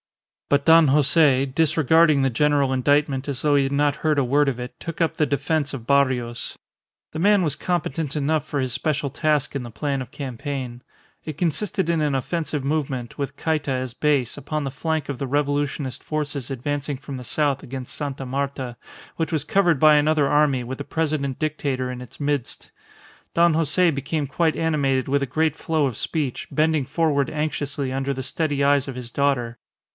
But Don Jose, disregarding the general indictment as though he had not heard a word of it, took up the defence of Barrios. The man was competent enough for his special task in the plan of campaign. It consisted in an offensive movement, with Cayta as base, upon the flank of the Revolutionist forces advancing from the south against Sta. Marta, which was covered by another army with the President Dictator in its midst. Don Jose became quite animated with a great flow of speech, bending forward anxiously under the steady eyes of his daughter.